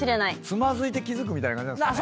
つまずいて気付くみたいな感じなんですかね。